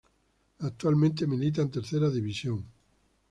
Actualmente milita en Tercera División.